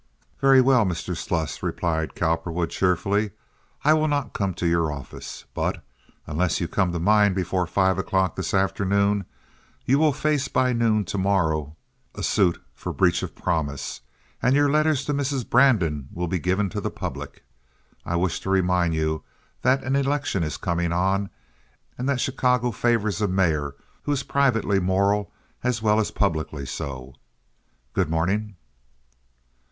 "Very well, Mr. Sluss," replied Cowperwood, cheerfully. "I will not come to your office. But unless you come to mine before five o'clock this afternoon you will face by noon to morrow a suit for breach of promise, and your letters to Mrs. Brandon will be given to the public. I wish to remind you that an election is coming on, and that Chicago favors a mayor who is privately moral as well as publicly so. Good morning."